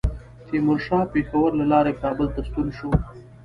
تیمورشاه پېښور له لارې کابل ته ستون شو.